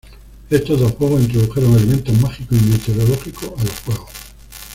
Estos dos juegos introdujeron elementos mágicos y meteorológicos a los juegos.